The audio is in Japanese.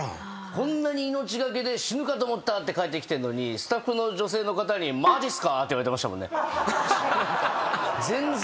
こんなに命懸けで死ぬかと思ったって帰ってきてスタッフの女性の方に「マジっすか？」って言われてましたもんね。